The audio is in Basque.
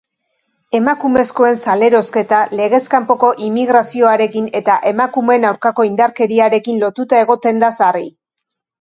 Emakumezkoen salerosketa legez kanpoko immigrazioarekin eta emakumeen aurkako indarkeriarekin lotuta egoten da sarri.